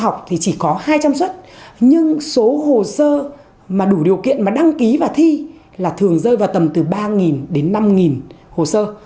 học thì chỉ có hai trăm linh xuất nhưng số hồ sơ mà đủ điều kiện mà đăng ký vào thi là thường rơi vào tầm từ ba đến năm hồ sơ